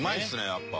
やっぱ。